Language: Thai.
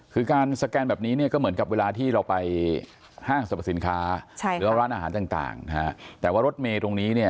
คือการสแกนแบบนี้เนี่ยก็เหมือนกับเวลาที่เราไปห้างสรรพสินค้าหรือว่าร้านอาหารต่างนะฮะแต่ว่ารถเมย์ตรงนี้เนี่ย